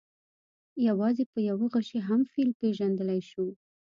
یوازې په یوه غشي هم فیل پېژندلی شو.